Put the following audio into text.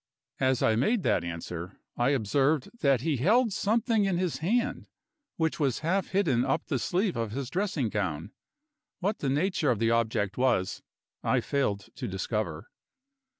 As I made that answer, I observed that he held something in his hand which was half hidden up the sleeve of his dressing gown. What the nature of the object was I failed to discover.